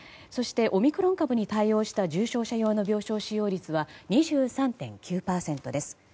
そして、オミクロン株に対応した重症者用の病床使用率は２３．９％です。